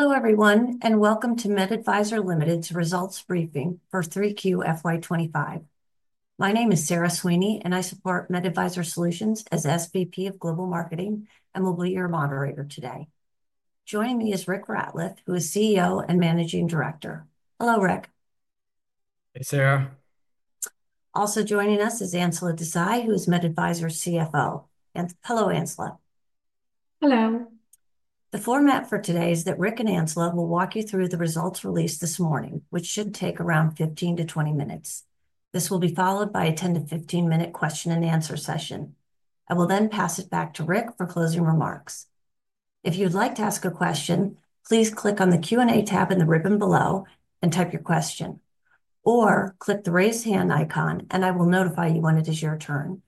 Hello, everyone, and welcome to MedAdvisor Ltd's results briefing for 3Q FY25. My name is Sarah Sweeney, and I support MedAdvisor Solutions as SVP of Global Marketing and will be your moderator today. Joining me is Rick Ratliff, who is CEO and Managing Director. Hello, Rick. Hey, Sarah. Also joining us is Ancila Desai, who is MedAdvisor CFO. Hello, Ancila. Hello. The format for today is that Rick and Ancila will walk you through the results released this morning, which should take around 15 to 20 minutes. This will be followed by a 10 to 15-minute question-and-answer session. I will then pass it back to Rick for closing remarks. If you'd like to ask a question, please click on the Q&A tab in the ribbon below and type your question, or click the raise hand icon, and I will notify you when it is your turn.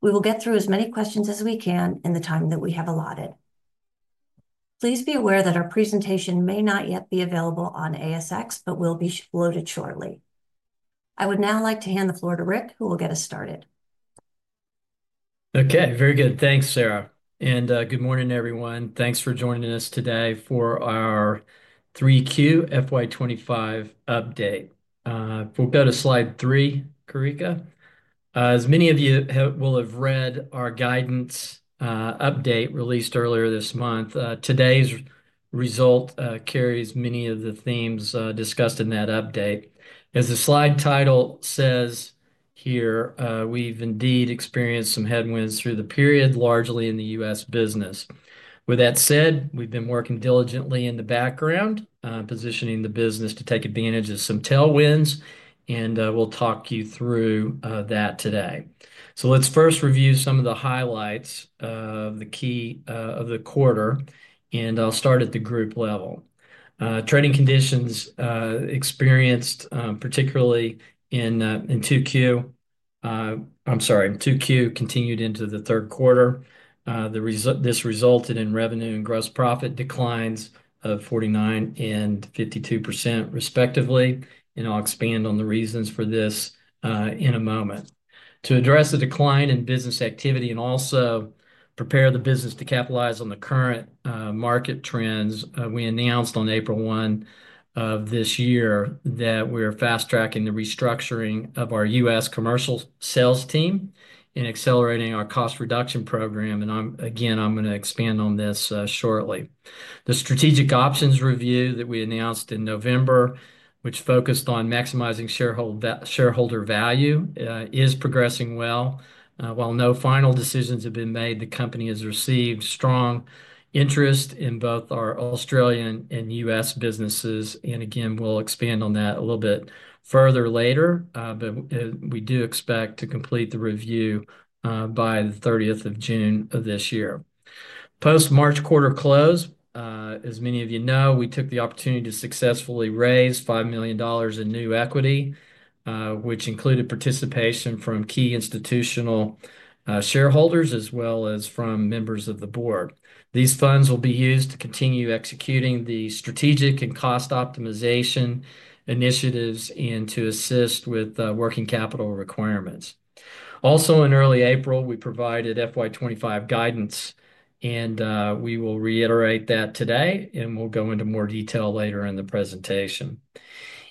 We will get through as many questions as we can in the time that we have allotted. Please be aware that our presentation may not yet be available on ASX, but will be loaded shortly. I would now like to hand the floor to Rick, who will get us started. Okay, very good. Thanks, Sarah. Good morning, everyone. Thanks for joining us today for our 3Q FY25 update. We'll go to slide three, Karika. As many of you will have read, our guidance update released earlier this month. Today's result carries many of the themes discussed in that update. As the slide title says here, we've indeed experienced some headwinds through the period, largely in the U.S. business. With that said, we've been working diligently in the background, positioning the business to take advantage of some tailwinds, and we'll talk you through that today. Let's first review some of the highlights of the key of the quarter, and I'll start at the group level. Trading conditions experienced, particularly in 2Q—I’m sorry, 2Q continued into the third quarter. This resulted in revenue and gross profit declines of 49% and 52%, respectively. I'll expand on the reasons for this in a moment. To address the decline in business activity and also prepare the business to capitalize on the current market trends, we announced on April 1 of this year that we're fast-tracking the restructuring of our U.S. commercial sales team and accelerating our cost reduction program. Again, I'm going to expand on this shortly. The strategic options review that we announced in November, which focused on maximizing shareholder value, is progressing well. While no final decisions have been made, the company has received strong interest in both our Australian and U.S. businesses. Again, we'll expand on that a little bit further later, but we do expect to complete the review by the 30th of June of this year. Post-March quarter close, as many of you know, we took the opportunity to successfully raise $5 million in new equity, which included participation from key institutional shareholders as well as from members of the board. These funds will be used to continue executing the strategic and cost optimization initiatives and to assist with working capital requirements. Also, in early April, we provided FY25 guidance, and we will reiterate that today, and we'll go into more detail later in the presentation.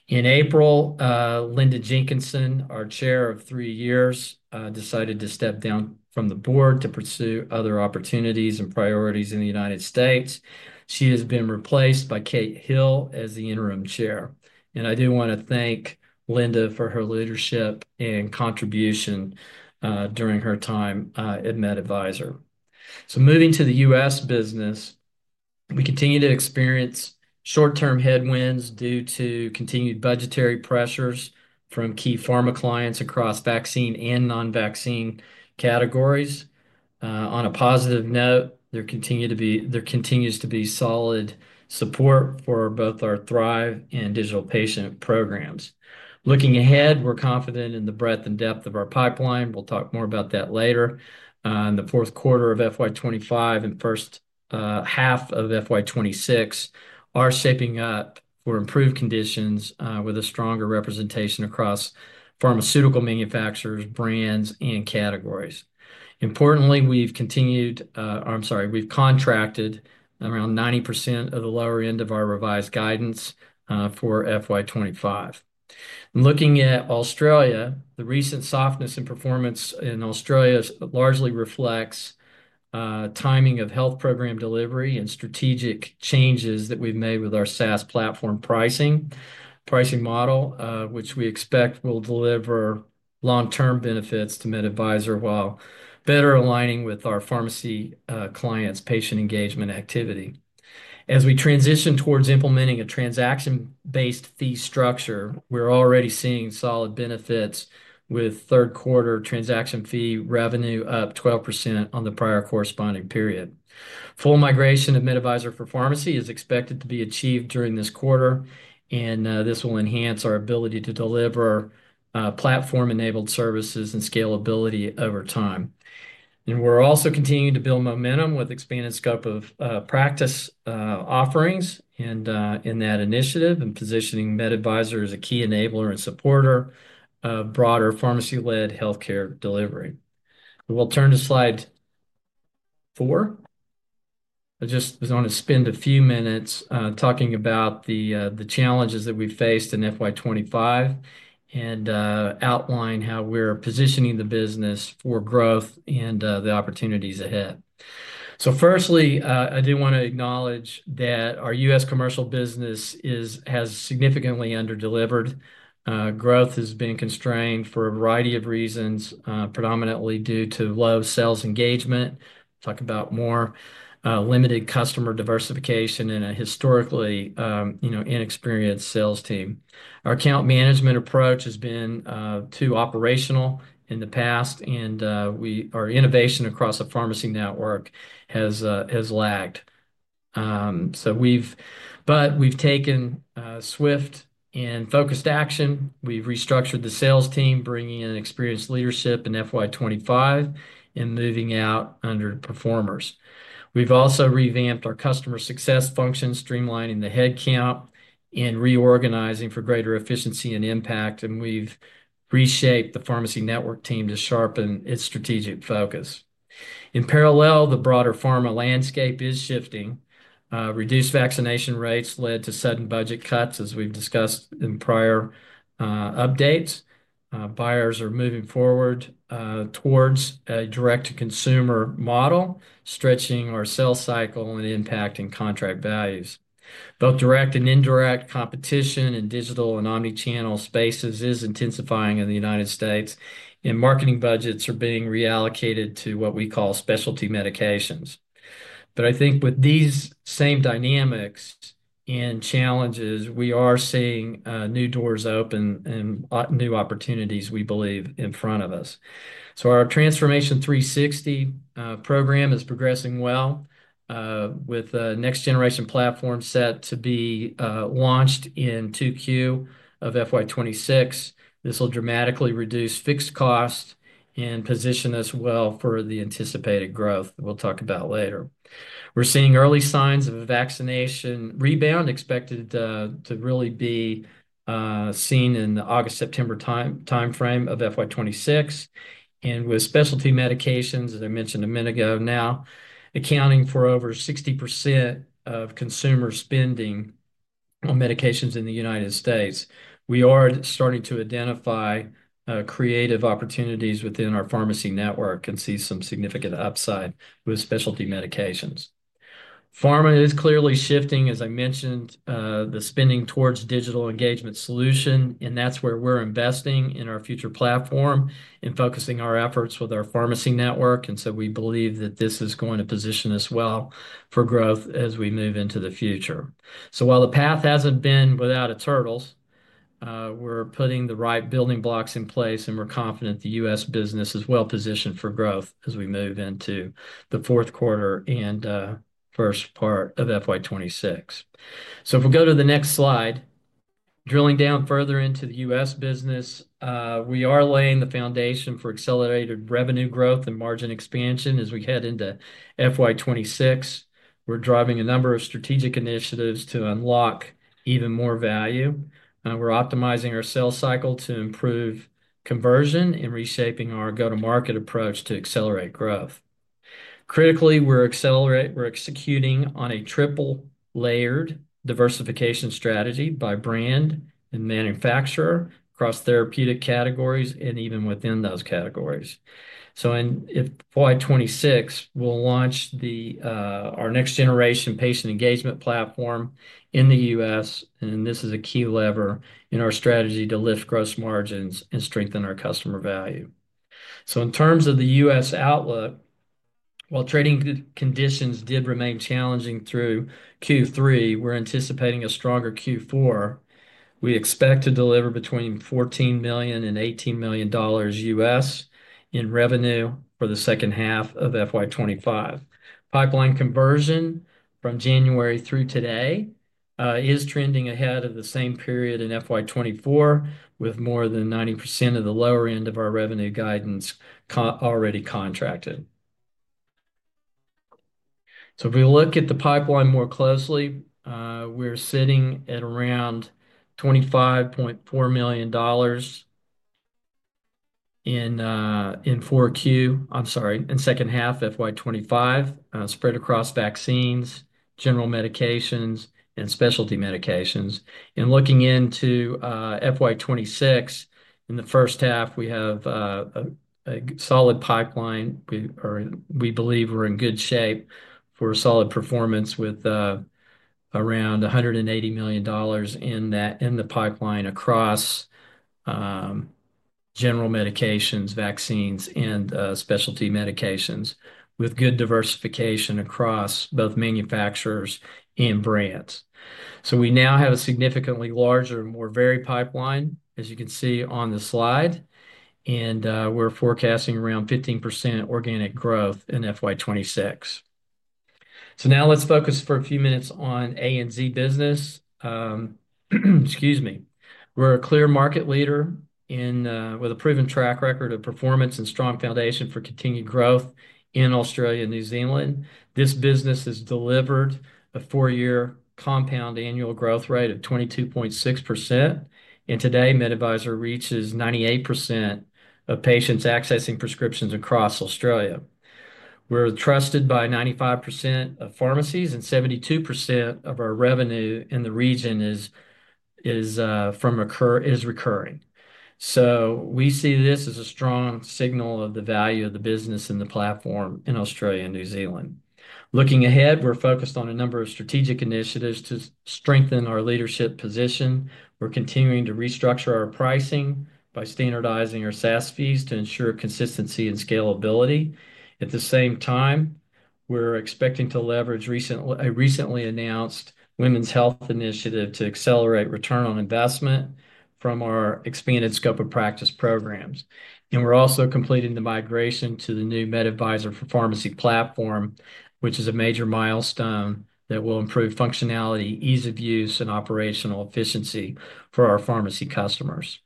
In April, Linda Jenkinson, our Chair of three years, decided to step down from the board to pursue other opportunities and priorities in the United States. She has been replaced by Kate Hill as the Interim Chair. I do want to thank Linda for her leadership and contribution during her time at MedAdvisor. Moving to the U.S. Business, we continue to experience short-term headwinds due to continued budgetary pressures from key pharma clients across vaccine and non-vaccine categories. On a positive note, there continues to be solid support for both our THRiV and digital patient programs. Looking ahead, we're confident in the breadth and depth of our pipeline. We'll talk more about that later. In the fourth quarter of FY25 and first half of FY26, we are shaping up for improved conditions with a stronger representation across pharmaceutical manufacturers, brands, and categories. Importantly, we've contracted around 90% of the lower end of our revised guidance for FY25. Looking at Australia, the recent softness in performance in Australia largely reflects timing of health program delivery and strategic changes that we've made with our SaaS platform pricing model, which we expect will deliver long-term benefits to MedAdvisor while better aligning with our pharmacy clients' patient engagement activity. As we transition towards implementing a transaction-based fee structure, we're already seeing solid benefits with third-quarter transaction fee revenue up 12% on the prior corresponding period. Full migration of MedAdvisor for pharmacy is expected to be achieved during this quarter, and this will enhance our ability to deliver platform-enabled services and scalability over time. We are also continuing to build momentum with expanded scope of practice offerings in that initiative and positioning MedAdvisor as a key enabler and supporter of broader pharmacy-led healthcare delivery. We will turn to slide four. I just want to spend a few minutes talking about the challenges that we've faced in FY25 and outline how we're positioning the business for growth and the opportunities ahead. Firstly, I do want to acknowledge that our U.S. commercial business has significantly underdelivered. Growth has been constrained for a variety of reasons, predominantly due to low sales engagement. Talk about more limited customer diversification and a historically inexperienced sales team. Our account management approach has been too operational in the past, and our innovation across the pharmacy network has lagged. We have taken swift and focused action. We have restructured the sales team, bringing in experienced leadership in FY25 and moving out underperformers. We have also revamped our customer success function, streamlining the headcount and reorganizing for greater efficiency and impact, and we have reshaped the pharmacy network team to sharpen its strategic focus. In parallel, the broader pharma landscape is shifting. Reduced vaccination rates led to sudden budget cuts, as we've discussed in prior updates. Buyers are moving forward towards a direct-to-consumer model, stretching our sales cycle and impacting contract values. Both direct and indirect competition in digital and omnichannel spaces is intensifying in the United States, and marketing budgets are being reallocated to what we call specialty medications. I think with these same dynamics and challenges, we are seeing new doors open and new opportunities, we believe, in front of us. Our Transformation 360 program is progressing well with a next-generation platform set to be launched in 2Q of FY26. This will dramatically reduce fixed costs and position us well for the anticipated growth we'll talk about later. We're seeing early signs of a vaccination rebound expected to really be seen in the August-September timeframe of FY26. With specialty medications, as I mentioned a minute ago now, accounting for over 60% of consumer spending on medications in the United States, we are starting to identify creative opportunities within our pharmacy network and see some significant upside with specialty medications. Pharma is clearly shifting, as I mentioned, the spending towards digital engagement solution, and that's where we're investing in our future platform and focusing our efforts with our pharmacy network. We believe that this is going to position us well for growth as we move into the future. While the path hasn't been without its hurdles, we're putting the right building blocks in place, and we're confident the U.S. business is well positioned for growth as we move into the fourth quarter and first part of FY26. If we go to the next slide, drilling down further into the U.S. Business, we are laying the foundation for accelerated revenue growth and margin expansion as we head into FY26. We're driving a number of strategic initiatives to unlock even more value. We're optimizing our sales cycle to improve conversion and reshaping our go-to-market approach to accelerate growth. Critically, we're executing on a triple-layered diversification strategy by brand and manufacturer across therapeutic categories and even within those categories. In FY26, we'll launch our next-generation patient engagement platform in the U.S., and this is a key lever in our strategy to lift gross margins and strengthen our customer value. In terms of the U.S. outlook, while trading conditions did remain challenging through Q3, we're anticipating a stronger Q4. We expect to deliver between $14 million and $18 million U.S. in revenue for the second half of FY25. Pipeline conversion from January through today is trending ahead of the same period in FY24, with more than 90% of the lower end of our revenue guidance already contracted. If we look at the pipeline more closely, we're sitting at around $25.4 million in 4Q—I'm sorry, in second half of FY25, spread across vaccines, general medications, and specialty medications. Looking into FY26, in the first half, we have a solid pipeline. We believe we're in good shape for solid performance with around $180 million in the pipeline across general medications, vaccines, and specialty medications, with good diversification across both manufacturers and brands. We now have a significantly larger and more varied pipeline, as you can see on the slide, and we're forecasting around 15% organic growth in FY26. Now let's focus for a few minutes on ANZ business. Excuse me. We're a clear market leader with a proven track record of performance and strong foundation for continued growth in Australia and New Zealand. This business has delivered a four-year compound annual growth rate of 22.6%, and today, MedAdvisor reaches 98% of patients accessing prescriptions across Australia. We're trusted by 95% of pharmacies, and 72% of our revenue in the region is recurring. We see this as a strong signal of the value of the business and the platform in Australia and New Zealand. Looking ahead, we're focused on a number of strategic initiatives to strengthen our leadership position. We're continuing to restructure our pricing by standardizing our SaaS fees to ensure consistency and scalability. At the same time, we're expecting to leverage a recently announced women's health initiative to accelerate return on investment from our expanded scope of practice programs. We're also completing the migration to the new MedAdvisor for pharmacy platform, which is a major milestone that will improve functionality, ease of use, and operational efficiency for our pharmacy customers.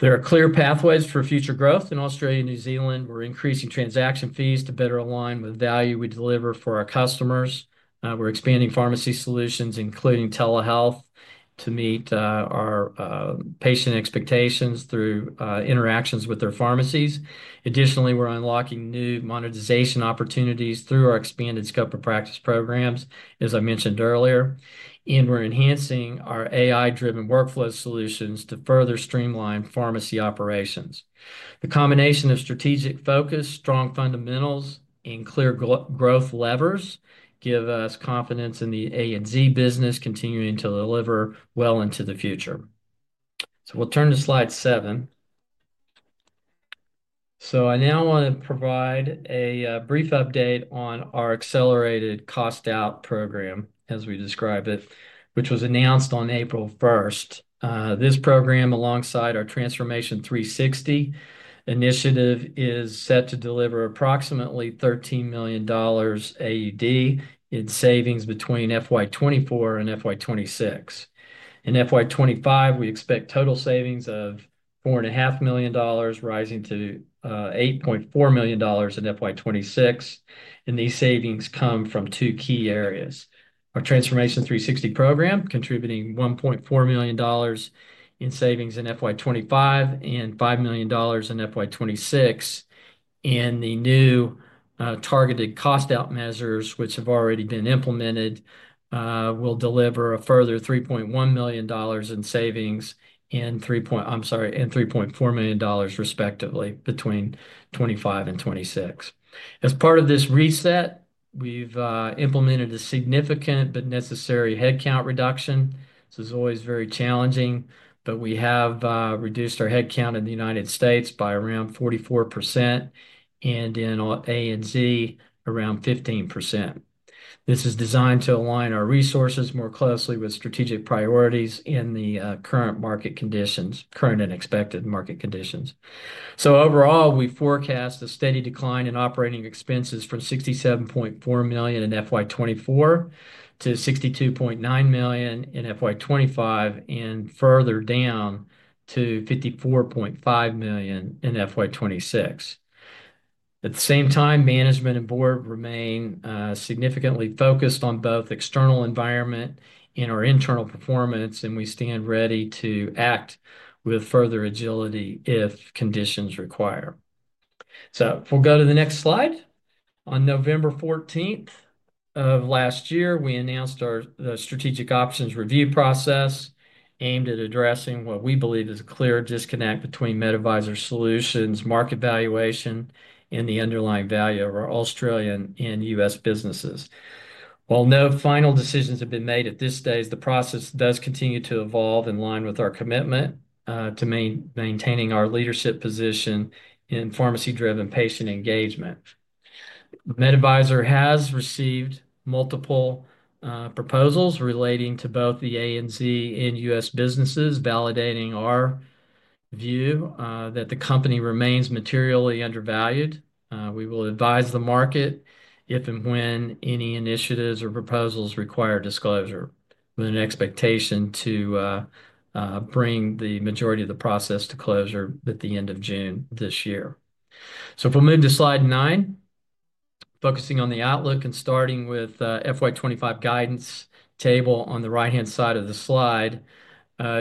There are clear pathways for future growth in Australia and New Zealand. We're increasing transaction fees to better align with value we deliver for our customers. We're expanding pharmacy solutions, including telehealth, to meet our patient expectations through interactions with their pharmacies. Additionally, we're unlocking new monetization opportunities through our expanded scope of practice programs, as I mentioned earlier, and we're enhancing our AI-driven workflow solutions to further streamline pharmacy operations. The combination of strategic focus, strong fundamentals, and clear growth levers gives us confidence in the ANZ business continuing to deliver well into the future. We'll turn to slide seven. I now want to provide a brief update on our accelerated cost-out program, as we describe it, which was announced on April 1st. This program, alongside our Transformation 360 initiative, is set to deliver approximately 3 million AUD in savings between FY24 and FY26. In FY25, we expect total savings of 4.5 million dollars, rising to 8.4 million dollars in FY26. These savings come from two key areas: our Transformation 360 program contributing 1.4 million dollars in savings in FY25 and 5 million dollars in FY26, and the new targeted cost-out measures, which have already been implemented, will deliver a further 3.1 million dollars in savings and—I'm sorry—and 3.4 million dollars, respectively, between 2025 and 2026. As part of this reset, we've implemented a significant but necessary headcount reduction. This is always very challenging, but we have reduced our headcount in the United States by around 44% and in ANZ around 15%. This is designed to align our resources more closely with strategic priorities and the current market conditions, current and expected market conditions. Overall, we forecast a steady decline in operating expenses from 67.4 million in FY24 to 62.9 million in FY25 and further down to 54.5 million in FY26. At the same time, management and Board remain significantly focused on both external environment and our internal performance, and we stand ready to act with further agility if conditions require. If we go to the next slide. On November 14 of last year, we announced the strategic options review process aimed at addressing what we believe is a clear disconnect between MedAdvisor Solutions, market valuation, and the underlying value of our Australian and U.S. businesses. While no final decisions have been made at this stage, the process does continue to evolve in line with our commitment to maintaining our leadership position in pharmacy-driven patient engagement. MedAdvisor has received multiple proposals relating to both the ANZ and U.S. businesses, validating our view that the company remains materially undervalued. We will advise the market if and when any initiatives or proposals require disclosure with an expectation to bring the majority of the process to closure at the end of June this year. If we move to slide nine, focusing on the outlook and starting with the FY25 guidance table on the right-hand side of the slide,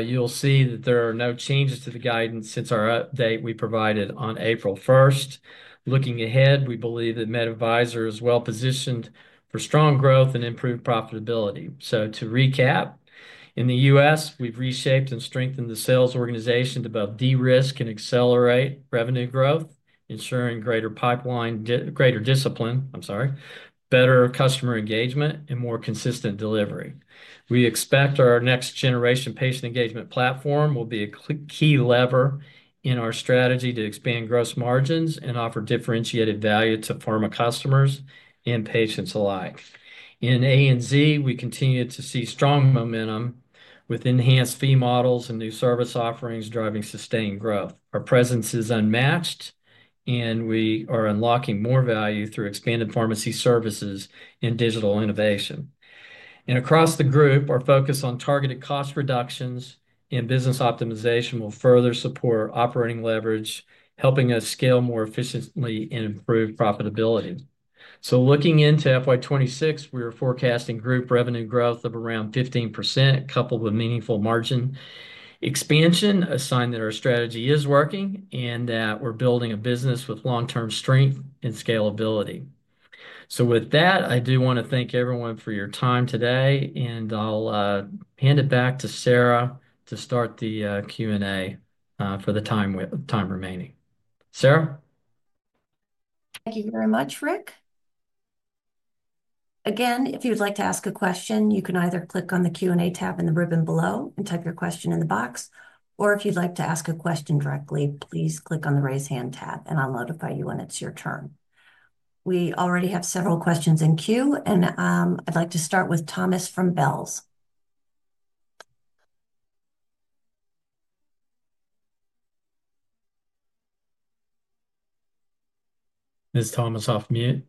you'll see that there are no changes to the guidance since our update we provided on April 1st. Looking ahead, we believe that MedAdvisor is well positioned for strong growth and improved profitability. To recap, in the U.S., we've reshaped and strengthened the sales organization to both de-risk and accelerate revenue growth, ensuring greater pipeline, greater discipline, better customer engagement, and more consistent delivery. We expect our next-generation patient engagement platform will be a key lever in our strategy to expand gross margins and offer differentiated value to pharma customers and patients alike. In ANZ, we continue to see strong momentum with enhanced fee models and new service offerings driving sustained growth. Our presence is unmatched, and we are unlocking more value through expanded pharmacy services and digital innovation. Across the group, our focus on targeted cost reductions and business optimization will further support operating leverage, helping us scale more efficiently and improve profitability. Looking into FY26, we are forecasting group revenue growth of around 15%, coupled with meaningful margin expansion, a sign that our strategy is working and that we're building a business with long-term strength and scalability. With that, I do want to thank everyone for your time today, and I'll hand it back to Sarah to start the Q&A for the time remaining. Sarah? Thank you very much, Rick. Again, if you'd like to ask a question, you can either click on the Q&A tab in the ribbon below and type your question in the box, or if you'd like to ask a question directly, please click on the raise hand tab, and I'll notify you when it's your turn. We already have several questions in queue, and I'd like to start with Thomas from Bell's. Is Thomas off mute?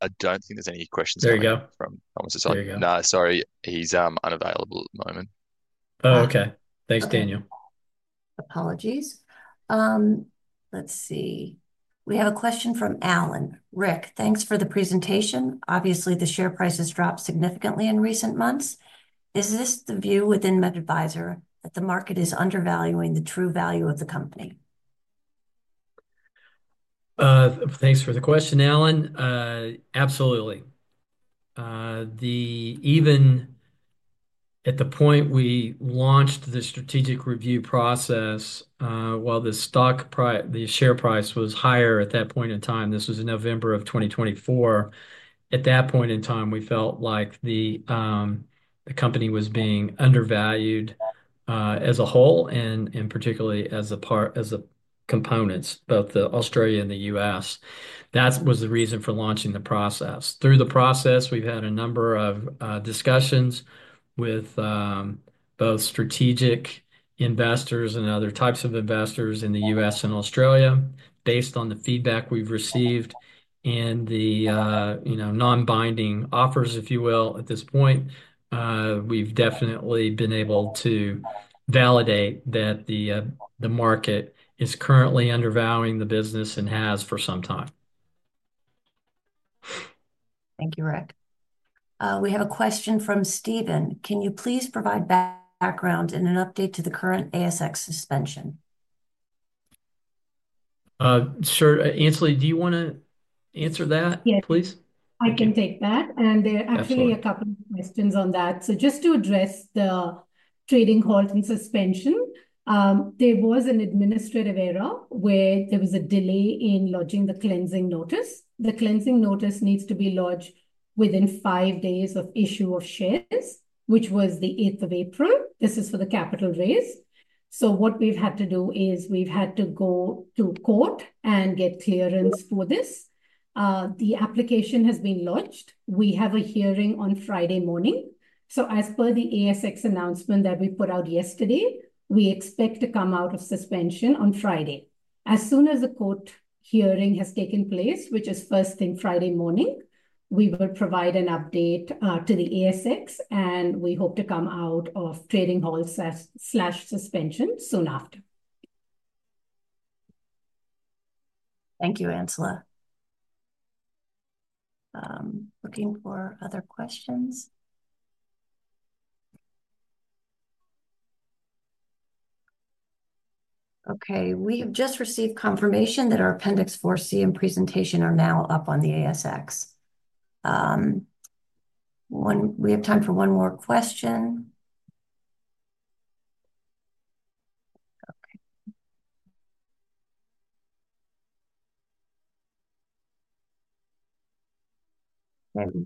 I don't think there's any questions from Thomas this time. There you go. No, sorry. He's unavailable at the moment. Oh, okay. Thanks, Daniel. Apologies. Let's see. We have a question from Alan. Rick, thanks for the presentation. Obviously, the share price has dropped significantly in recent months. Is this the view within MedAdvisor that the market is undervaluing the true value of the company? Thanks for the question, Alan. Absolutely. Even at the point we launched the strategic review process, while the share price was higher at that point in time—this was in November of 2024—at that point in time, we felt like the company was being undervalued as a whole and particularly as a component, both the Australia and the U.S. That was the reason for launching the process. Through the process, we've had a number of discussions with both strategic investors and other types of investors in the U.S. and Australia. Based on the feedback we've received and the non-binding offers, if you will, at this point, we've definitely been able to validate that the market is currently undervaluing the business and has for some time. Thank you, Rick. We have a question from Steven. Can you please provide background and an update to the current ASX suspension? Sure. Ancila, do you want to answer that, please? Yes. I can take that. There are actually a couple of questions on that. Just to address the trading hold and suspension, there was an administrative error where there was a delay in lodging the cleansing notice. The cleansing notice needs to be lodged within five days of issue of shares, which was the 8th of April. This is for the capital raise. What we've had to do is we've had to go to court and get clearance for this. The application has been lodged. We have a hearing on Friday morning. As per the ASX announcement that we put out yesterday, we expect to come out of suspension on Friday. As soon as the court hearing has taken place, which is first thing Friday morning, we will provide an update to the ASX, and we hope to come out of trading hold/suspension soon after. Thank you, Ancila. Looking for other questions. We have just received confirmation that our Appendix 4C and presentation are now up on the ASX. We have time for one more question.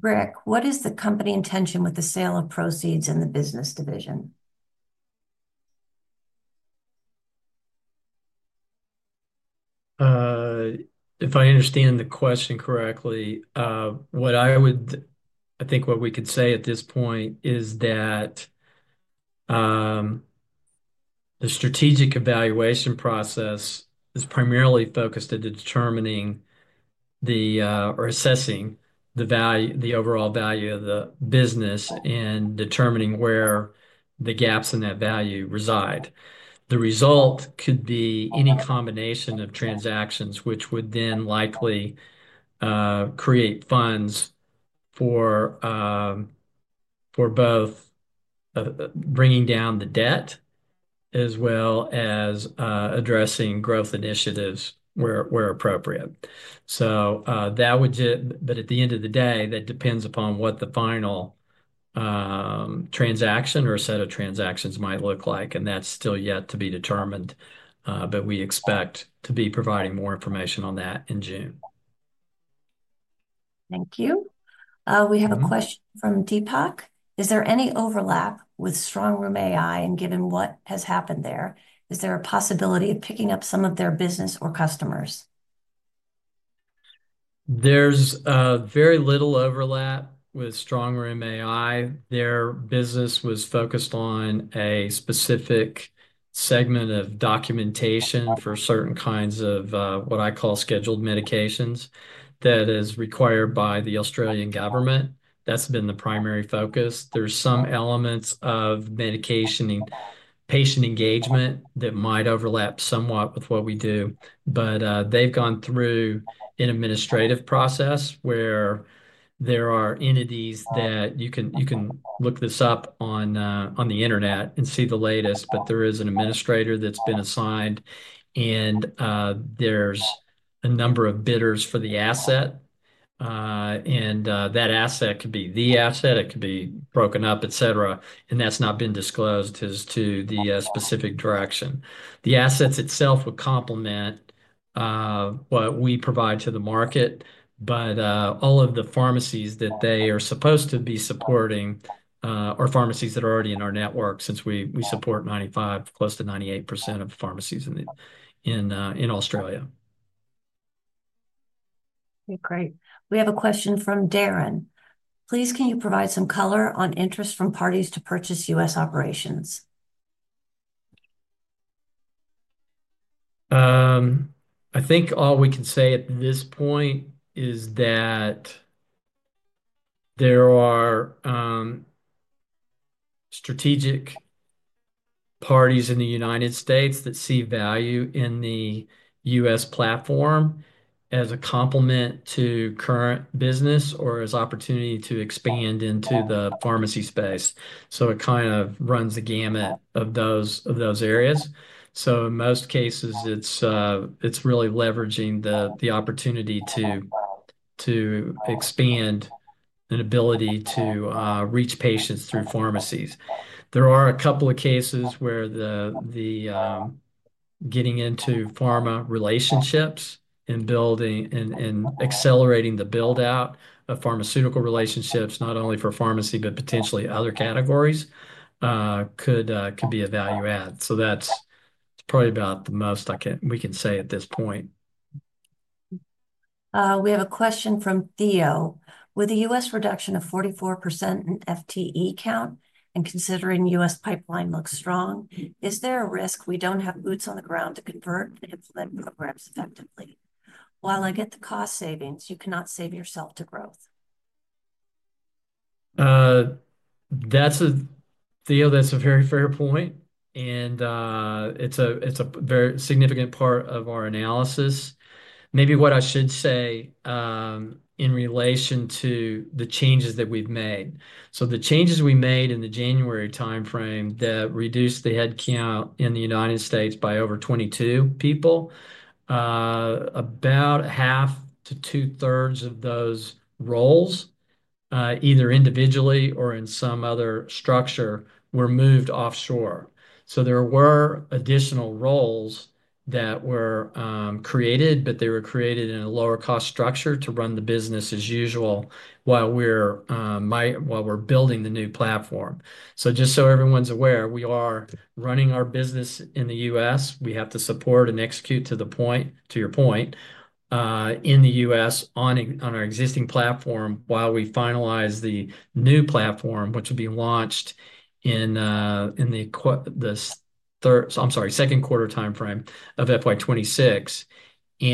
Rick, what is the company intention with the sale of proceeds in the business division? If I understand the question correctly, what I would—I think what we could say at this point is that the strategic evaluation process is primarily focused at determining or assessing the overall value of the business and determining where the gaps in that value reside. The result could be any combination of transactions, which would then likely create funds for both bringing down the debt as well as addressing growth initiatives where appropriate. That would—but at the end of the day, that depends upon what the final transaction or set of transactions might look like, and that's still yet to be determined. We expect to be providing more information on that in June. Thank you. We have a question from Deepak. Is there any overlap with StrongRoom AI? Given what has happened there, is there a possibility of picking up some of their business or customers? There is very little overlap with StrongRoom AI. Their business was focused on a specific segment of documentation for certain kinds of what I call scheduled medications that is required by the Australian government. That has been the primary focus. There are some elements of medication and patient engagement that might overlap somewhat with what we do. They have gone through an administrative process where there are entities that you can look up on the internet and see the latest, but there is an administrator that has been assigned, and there are a number of bidders for the asset. That asset could be the asset. It could be broken up, etc., and that has not been disclosed as to the specific direction. The assets itself would complement what we provide to the market, but all of the pharmacies that they are supposed to be supporting are pharmacies that are already in our network since we support close to 98% of pharmacies in Australia. Okay. Great. We have a question from Darren. Please, can you provide some color on interest from parties to purchase U.S. operations? I think all we can say at this point is that there are strategic parties in the United States that see value in the U.S. platform as a complement to current business or as an opportunity to expand into the pharmacy space. It kind of runs the gamut of those areas. In most cases, it is really leveraging the opportunity to expand an ability to reach patients through pharmacies. There are a couple of cases where getting into pharma relationships and accelerating the build-out of pharmaceutical relationships, not only for pharmacy but potentially other categories, could be a value add. That is probably about the most we can say at this point. We have a question from Theo. With a U.S. reduction of 44% in FTE count and considering US pipeline looks strong, is there a risk we do not have boots on the ground to convert and implement programs effectively? While I get the cost savings, you cannot save yourself to growth. Theo, that is a very fair point, and it is a very significant part of our analysis. Maybe what I should say in relation to the changes that we have made. The changes we made in the January timeframe that reduced the headcount in the United States by over 22 people, about half to two-thirds of those roles, either individually or in some other structure, were moved offshore. There were additional roles that were created, but they were created in a lower-cost structure to run the business as usual while we're building the new platform. Just so everyone's aware, we are running our business in the U.S. We have to support and execute to your point in the U.S. on our existing platform while we finalize the new platform, which will be launched in the, I'm sorry, second quarter timeframe of FY26.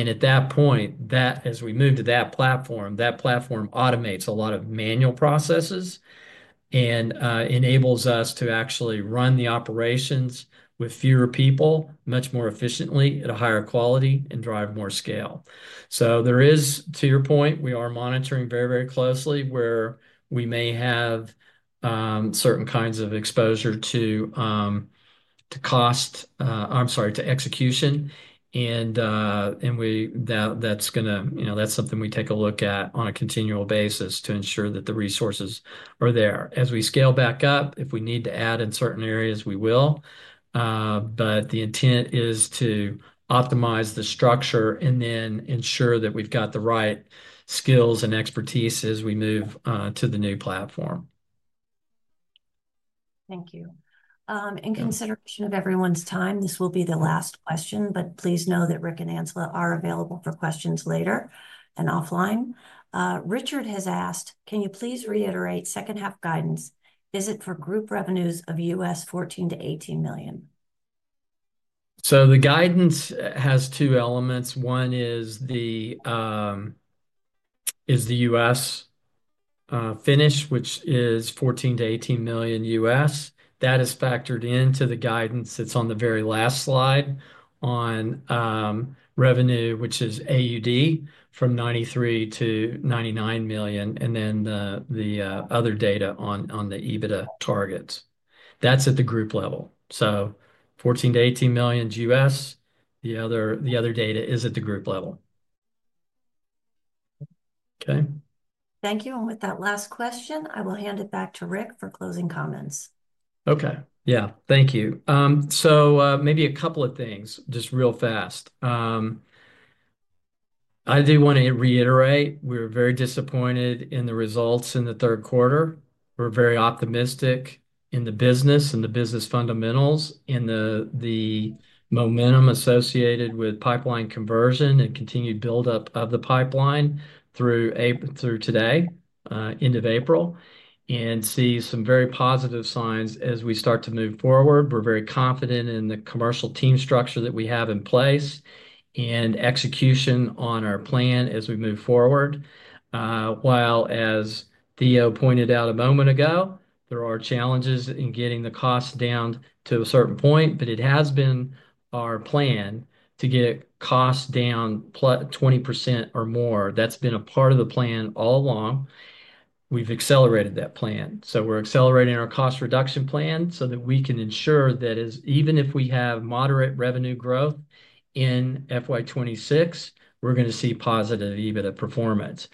At that point, as we move to that platform, that platform automates a lot of manual processes and enables us to actually run the operations with fewer people, much more efficiently, at a higher quality, and drive more scale. To your point, we are monitoring very, very closely where we may have certain kinds of exposure to cost—I'm sorry—to execution. That is something we take a look at on a continual basis to ensure that the resources are there. As we scale back up, if we need to add in certain areas, we will. The intent is to optimize the structure and then ensure that we've got the right skills and expertise as we move to the new platform. Thank you. In consideration of everyone's time, this will be the last question, but please know that Rick and Ancila are available for questions later and offline. Richard has asked, "Can you please reiterate second-half guidance? Is it for group revenues of U.S. $14million-$18 million?" The guidance has two elements. One is the U.S. finish, which is $14-18 million U.S. That is factored into the guidance that is on the very last slide on revenue, which is 93-99 million AUD, and then the other data on the EBITDA targets. That is at the group level. $14 million-$18 million U.S. The other data is at the group level. Thank you. With that last question, I will hand it back to Rick for closing comments. Thank you. Maybe a couple of things, just real fast. I do want to reiterate, we're very disappointed in the results in the third quarter. We're very optimistic in the business and the business fundamentals and the momentum associated with pipeline conversion and continued build-up of the pipeline through today, end of April, and see some very positive signs as we start to move forward. We're very confident in the commercial team structure that we have in place and execution on our plan as we move forward. While, as Theo pointed out a moment ago, there are challenges in getting the costs down to a certain point, it has been our plan to get costs down 20% or more. That's been a part of the plan all along. We've accelerated that plan. We're accelerating our cost reduction plan so that we can ensure that even if we have moderate revenue growth in FY26, we're going to see positive EBITDA performance.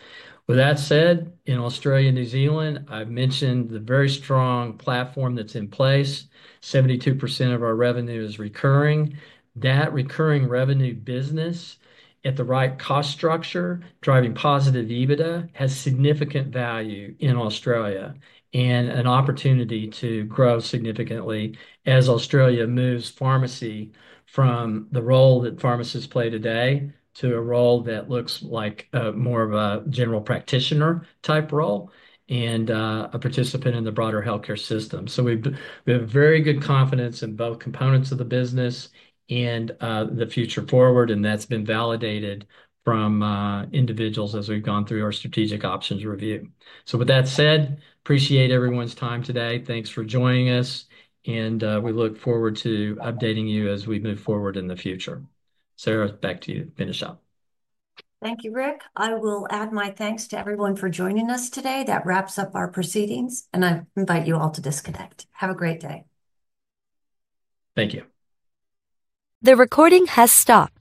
With that said, in Australia and New Zealand, I've mentioned the very strong platform that's in place. 72% of our revenue is recurring. That recurring revenue business, at the right cost structure, driving positive EBITDA, has significant value in Australia and an opportunity to grow significantly as Australia moves pharmacy from the role that pharmacists play today to a role that looks like more of a general practitioner-type role and a participant in the broader healthcare system. We have very good confidence in both components of the business and the future forward, and that's been validated from individuals as we've gone through our strategic options review. With that said, appreciate everyone's time today. Thanks for joining us, and we look forward to updating you as we move forward in the future. Sarah, back to you to finish up. Thank you, Rick. I will add my thanks to everyone for joining us today. That wraps up our proceedings, and I invite you all to disconnect. Have a great day. Thank you. The recording has stopped.